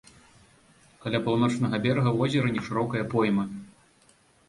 Каля паўночнага берага возера нешырокая пойма.